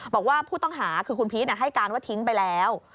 บอกว่าผู้ต้องหาคือคุณพีชให้การว่าทิ้งไปแล้ว